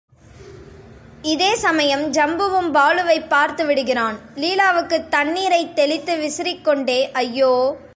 இதே சமயம் ஜம்புவும் பாலுவைப் பார்த்து விடுகிறான், லீலாவுக்குத் தண்ணீரைத் தெளித்து விசிறிக் கொண்டே ஐயோ!